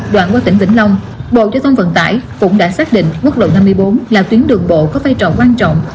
đoạn qua tỉnh vĩnh long bộ giới thông vận tải cũng đã xác định quốc lộ năm mươi bốn là tuyến đường bộ có phai trọng quan trọng